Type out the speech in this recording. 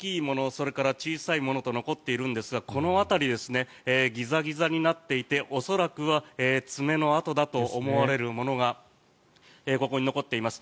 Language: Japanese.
それから小さいものと残っているんですがこの辺り、ギザギザになっていて恐らくは爪の跡だと思われるものがここに残っています。